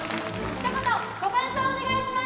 一言ご感想をお願いします